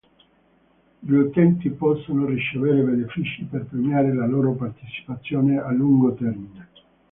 Gli utenti possono ricevere benefici per premiare la loro partecipazione a lungo termine.